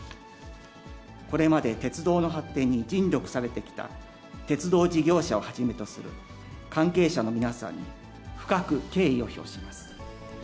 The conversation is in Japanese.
これまで鉄道の発展に尽力されてきた鉄道事業者をはじめとする関係者の皆さんに、深く敬意を表します。